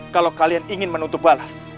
kalau kalian ingin menutup balas